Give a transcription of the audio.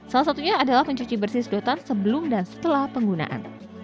salah satunya adalah mencuci bersih sedotan sebelum dan setelah penggunaan